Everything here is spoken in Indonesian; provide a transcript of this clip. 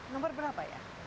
nomor berapa ya